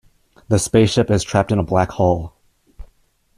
The spaceship is trapped in a black hole.